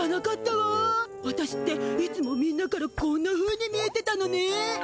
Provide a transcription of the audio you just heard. わたしっていつもみんなからこんなふうに見えてたのね。